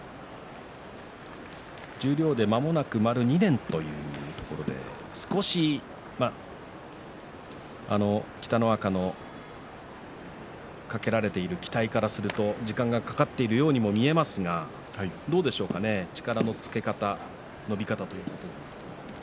十両でまもなく丸２年というところで少し北の若にかけられている期待からすると時間がかかっているようにも見えますがどうでしょうかね、力のつけ方、伸び方は。